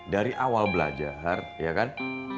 dari awal belajar ya kan